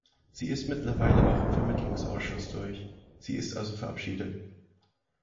Sie ist mittlerweile auch im Vermittlungsausschuss durch, sie ist also verabschiedet.